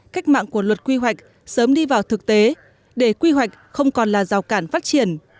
cách mạng của luật quy hoạch sớm đi vào thực tế để quy hoạch không còn là rào cản phát triển